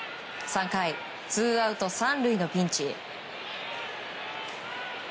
３回、ツーアウト３塁のピンチ。